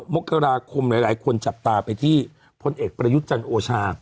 มกราคมหลายคนจับตาไปที่พลเอกประยุทธ์จันทร์โอชา